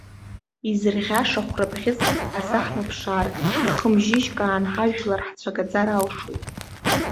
Изырӷьаша хәрабӷьыцк азаҳмыԥшаар ихымжьыжькаан ҳажәлар ҳцәагаӡар алшоит.